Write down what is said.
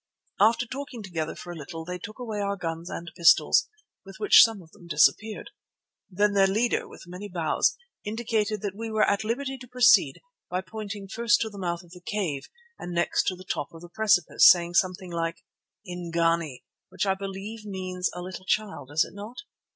After talking together for a little they took away our guns and pistols, with which some of them disappeared. Then their leader, with many bows, indicated that we were at liberty to proceed by pointing first to the mouth of the cave, and next to the top of the precipice, saying something about 'ingane,' which I believe means a little child, does it not?"